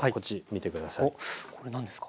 これ何ですか？